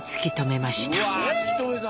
うわ突き止めた。